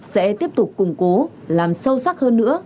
sẽ tiếp tục củng cố làm sâu sắc hơn nữa